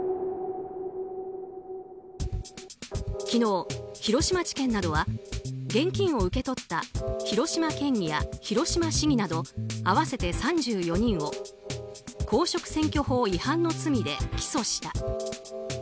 昨日、広島地検などは現金を受け取った広島県議や広島市議など合わせて３４人を公職選挙法違反の罪で起訴した。